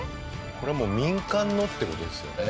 これはもう民間のって事ですよね？